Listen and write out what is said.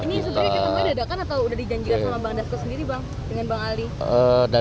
ini sebenarnya ketemu dadakan atau udah dijanjikan sama bang dasko sendiri bang dengan bang ali